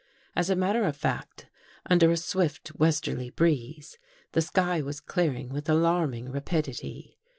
As a matter of fact, under a swift ! westerly breeze, the sky was clearing with alarming i rapidity.